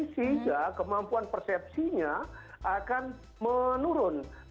sehingga kemampuan persepsinya akan menurun